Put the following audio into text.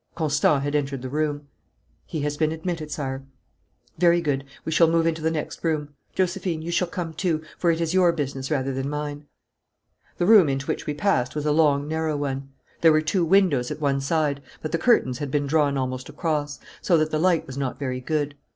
Constant had entered the room. 'He has been admitted, sire.' 'Very good. We shall move into the next room. Josephine, you shall come too, for it is your business rather than mine.' The room into which we passed was a long, narrow one. There were two windows at one side, but the curtains had been drawn almost across, so that the light was not very good.